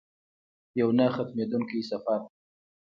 یو نه ختمیدونکی سفر.